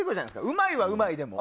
うまいはうまいでも。